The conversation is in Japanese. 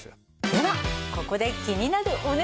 ではここで気になるお値段の発表です！